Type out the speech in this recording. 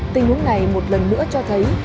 tình huống này một lần nữa cho thấy